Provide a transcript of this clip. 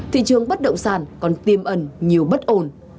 thị trường bất động sản còn tiêm ẩn nhiều bất ổn